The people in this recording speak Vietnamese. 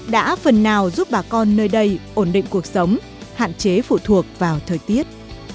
đã phần nào giúp bà con nơi đây ổn định cuộc sống hạn chế phụ thuộc vào thời tiết